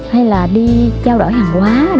hay là đi trao đổi hàng quá